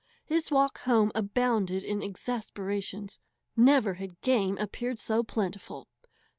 His walk home abounded in exasperations. Never had game appeared so plentiful.